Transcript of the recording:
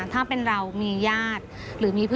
ถ้าเป็นเรามีญาติ